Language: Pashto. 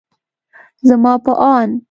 زما په اند